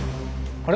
あれ？